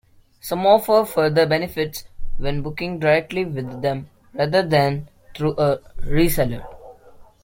Some offer further benefits when booking directly with them rather than through a reseller.